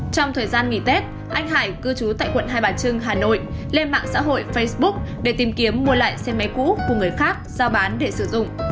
trong thời gian nghỉ tết anh hải cư trú tại quận hai bà trưng hà nội lên mạng xã hội facebook để tìm kiếm mua lại xe máy cũ của người khác ra bán để sử dụng